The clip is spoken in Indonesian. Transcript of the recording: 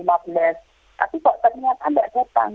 tapi kok ternyata tidak datang